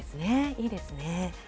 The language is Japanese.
いいですね。